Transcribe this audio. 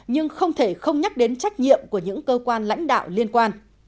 nhưng không thể không nhắc đến trách nhiệm của những cơ quan lãnh đạo liên quan